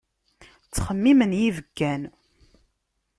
Ttxemmimen yibekkan.